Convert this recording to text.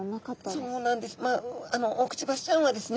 そうなんです。